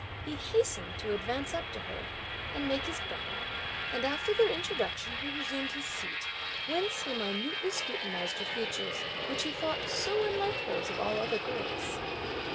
He hastened to advance up to her, and make his bow; and after their introduction, he resumed his seat, whence he minutely scrutinised her features, (which he thought) so unlike those of all other girls.